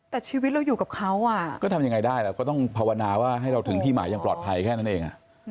แต่ชีวิตเราอยู่กับเขาก็ทำยังไงได้เราก็ต้องภาวนาว่าให้เราถึงที่หมายอย่างปลอดภัยแค่นั้นเอง